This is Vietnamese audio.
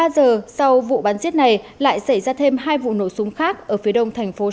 ba giờ sau vụ bắn giết này lại xảy ra thêm hai vụ nổ súng khác ở phía đông thành phố